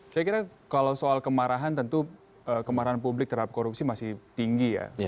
saya kira kalau soal kemarahan tentu kemarahan publik terhadap korupsi masih tinggi ya